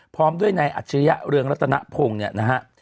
พร้อมด้วยนายอัจฉริยะเรืองรัตนพงศ์เนี่ยนะฮะ